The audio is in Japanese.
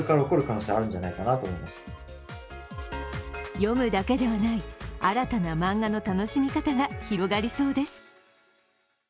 読むだけではない新たな漫画の楽しみ方が広がりそうです。